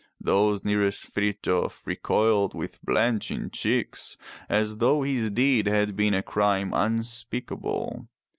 Those nearest Frithjof recoiled with blanching cheeks, as though his deed had been a crime unspeakable.